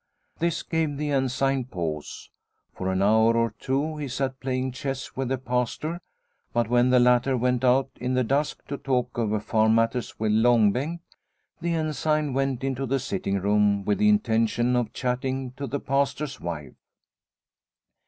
This gave the Ensign pause. For an hour or two he sat playing chess with the Pastor, but when the latter went out in the dusk to talk over farm matters with Long Bengt, the Ensign went into the sitting room with the intention of chatting to the Pastor's wife.